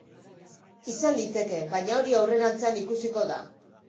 Izan liteke, baina hori aurrerantzean ikusiko da.